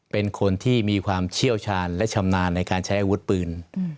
เป็นคนที่มีความเชี่ยวชาญและชำนาญในการใช้อาวุธปืน